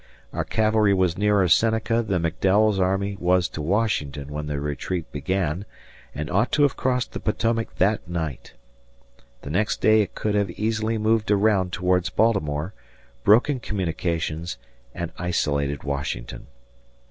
Our cavalry were nearer Seneca than McDowell's army was to Washington when the retreat began, and ought to have crossed the Potomac that night. The next day it could have easily moved around towards Baltimore, broken communications, and isolated Washington.